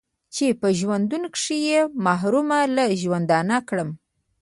چې په ژوندون کښې يې محرومه له ژوندونه کړمه